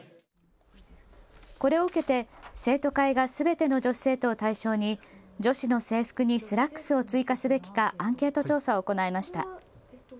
これを受けて生徒会がすべての女子生徒を対象に女子の制服にスラックスを追加すべきかアンケート調査を行いました。